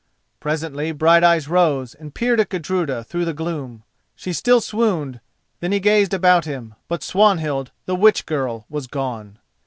Presently Brighteyes rose and peered at Gudruda through the gloom. She still swooned. Then he gazed about him—but Swanhild, the witchgirl, was gone.